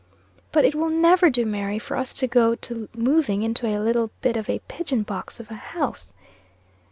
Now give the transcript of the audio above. "But it will never do, Mary, for us to go to moving into a little bit of a pigeon box of a house."